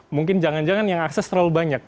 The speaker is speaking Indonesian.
mungkin jangan jangan yang akses terlalu banyak